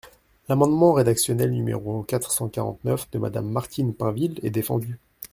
L’amendement rédactionnel numéro quatre cent quarante-neuf de Madame Martine Pinville est défendu.